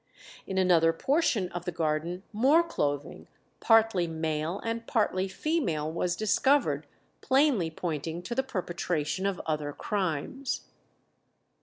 In another portion of the garden more clothing, partly male and partly female, was discovered, plainly pointing to the perpetration of other crimes.